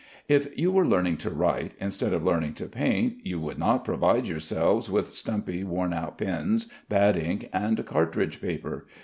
If you were learning to write, instead of learning to paint, you would not provide yourselves with stumpy worn out pens, bad ink, and cartridge paper.